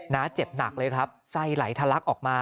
เจ็บหนักเลยครับไส้ไหลทะลักออกมา